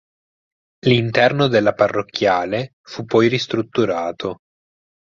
L'interno della parrocchiale fu poi ristrutturato.